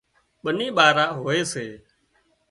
ٻني ٻارا هوئي سي